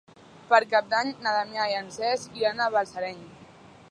Per Cap d'Any na Damià i en Cesc iran a Balsareny.